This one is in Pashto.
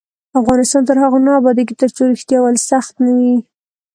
افغانستان تر هغو نه ابادیږي، ترڅو ریښتیا ویل سخت نه وي.